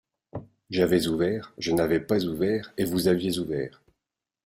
J’avais ouvert, je n’avais pas ouvert, et vous aviez ouvert.